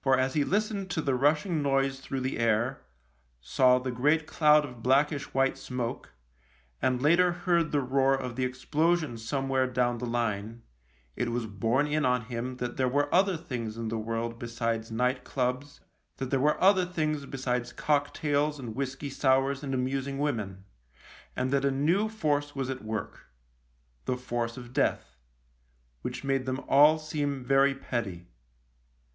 For as he listened to the rushing noise through the air, saw the great cloud of blackish white smoke, and later heard the roar of the explosion somewhere down the line, it was borne in on him that there were other things in the world besides night clubs, that there were other things besides cocktails and whisky sours and amusing women, and that a new force was at work — the force of Death — which made them all seem very petty.